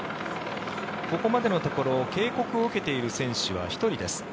ここまでのところ警告を受けている選手は１人です。